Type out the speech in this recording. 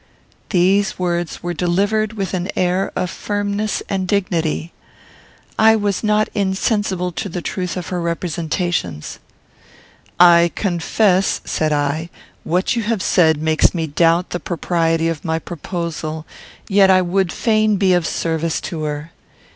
These words were delivered with an air of firmness and dignity. I was not insensible to the truth of her representations. "I confess," said I, "what you have said makes me doubt the propriety of my proposal; yet I would fain be of service to her.